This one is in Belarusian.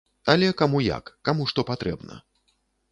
Але каму як, каму што патрэбна.